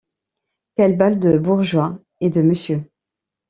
Quelle balle de bourgeois et de monsieur !